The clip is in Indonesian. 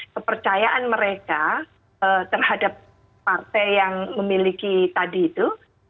kepercayaan mereka terhadap partai yang memiliki tadi itu